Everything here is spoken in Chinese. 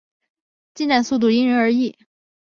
进展速度因人而异。